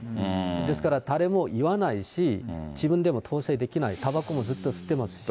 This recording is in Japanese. ですから、誰も言わないし、自分でも統制できない、たばこもずっと吸ってますしね。